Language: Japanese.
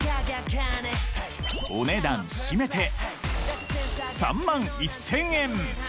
［お値段しめて３万１，０００円］